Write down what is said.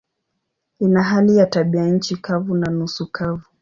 Ina hali ya tabianchi kavu na nusu kavu.